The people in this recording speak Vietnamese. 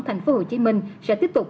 thành phố hồ chí minh sẽ tiếp tục